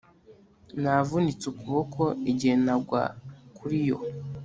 Navunitse ukuboko igihe nagwa kuri yo